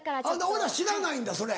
俺ら知らないんだそれ。